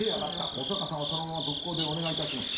本さんはそのまま続行でお願いいたします。